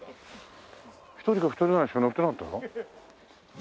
１人か２人ぐらいしか乗ってなかったぞ。